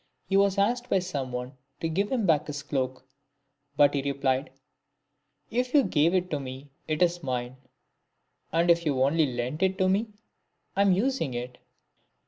He was asked by some one to give him back his cloak ; but he. replied, " If you gave it me, it is mine ; and if you only lent it me, I am using it."